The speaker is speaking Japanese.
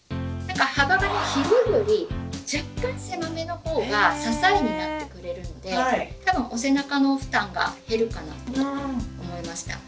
幅が広いより若干狭めの方が支えになってくれるので多分お背中の負担が減るかなと思いました。